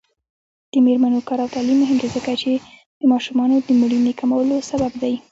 د میرمنو کار او تعلیم مهم دی ځکه چې ماشومانو مړینې کمولو سبب دی.